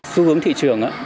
xu hướng thị trường